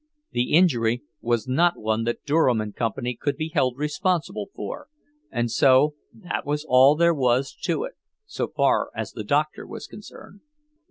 The injury was not one that Durham and Company could be held responsible for, and so that was all there was to it, so far as the doctor was concerned.